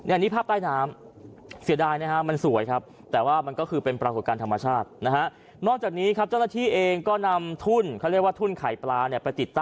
อันนี้ภาพใต้น้ำเสียดายนะฮะมันสวยครับแต่ว่ามันก็คือเป็นปรากฏการณ์ธรรมชาตินะฮะ